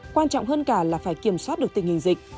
quan trọng hơn cả là phải kiểm soát được tình hình dịch